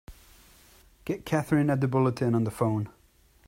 Get Katherine at the Bulletin on the phone!